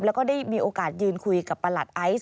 แล้วก็ได้มีโอกาสยืนคุยกับประหลัดไอซ์